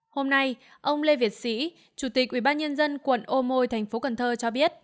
hôm nay ông lê việt sĩ chủ tịch ubnd quận ô môn thành phố cần thơ cho biết